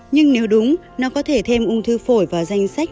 nhưng nếu đúng nó có thể thêm ung thư phổi và danh sách